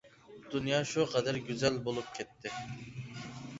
دۇنيا شۇ قەدەر گۈزەل بولۇپ كەتتى.